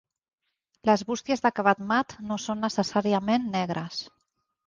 Les bústies d'acabat mat, no són necessàriament negres.